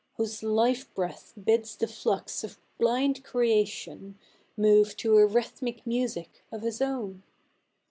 Whose life bi'eath bids the flnx of blind creation Alove to a rhythmic music of his own